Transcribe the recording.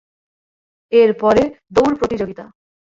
এর পরে, দৌড় প্রতিযোগিতা।